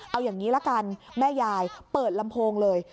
เอาอย่างนี้ละกันแม่ยายเปิดลำโพงเลย